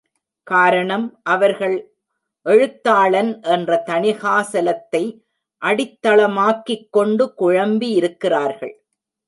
காரணம், அவர்கள் எழுத்தாளன் என்ற தணிகாசலத்தை அடித்தளமாக்கிக்கொண்டு குழம்பியிருக்கிறார்கள்.